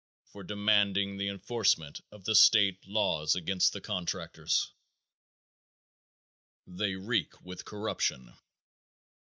for demanding the enforcement of the state laws against the contractors. _They Reek With Corruption.